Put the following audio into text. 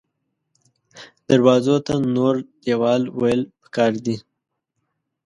دروازو ته نور دیوال ویل پکار دې